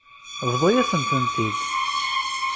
Bḍu-yasent-tent-id.